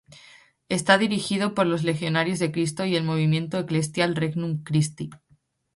Está dirigido por los Legionarios de Cristo y el Movimiento eclesial Regnum Christi.